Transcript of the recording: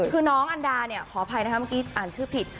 คือน้องอันดาเนี่ยขออภัยนะคะเมื่อกี้อ่านชื่อผิด